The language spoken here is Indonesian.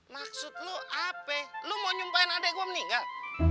maksud lo apa lo mau nyumpain adek gue meninggal